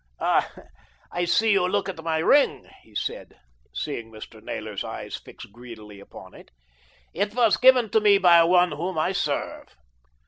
"Ah! I see you look at my ring," he said, seeing Mr. Naylor's eyes fix greedily upon it. "It was given to me by one whom I serve."